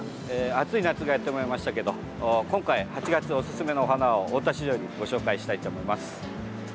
暑い夏がやってまいりましたけど今回、８月おすすめの花を大田市場よりご紹介したいと思います。